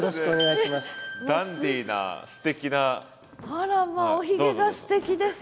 あらまあおひげがステキです。